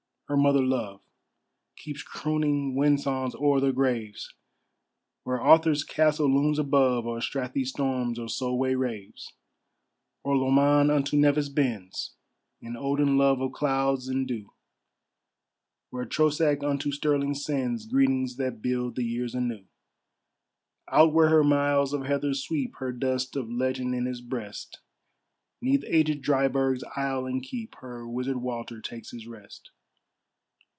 Her mother love Keeps crooning wind songs o'er their graves, Where Arthur's castle looms above, Or Strathy storms or Solway raves. Or Lomond unto Nevis bends In olden love of clouds and dew; Where Trosach unto Stirling sends Greetings that build the years anew. Out where her miles of heather sweep, Her dust of legend in his breast, 'Neath agèd Dryburgh's aisle and keep, Her Wizard Walter takes his rest.